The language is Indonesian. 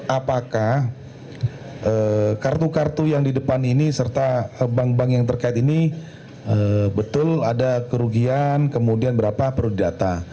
apakah kartu kartu yang di depan ini serta bank bank yang terkait ini betul ada kerugian kemudian berapa perlu data